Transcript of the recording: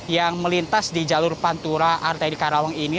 yang melintas di jalur pantura arteri karawang ini